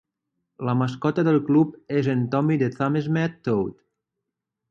La mascota del club és en Tommy The Thamesmead Toad.